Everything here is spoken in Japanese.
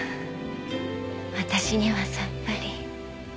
私にはさっぱり。